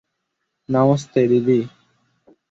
নমস্তে, দিদি।